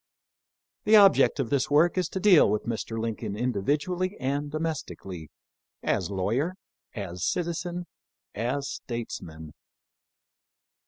The object of this work is to deal with Mr. Lin coln individually and domestically ; as lawyer, as citizen, as statesman.